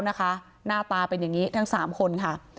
หน้าตาเป็นแบบนี้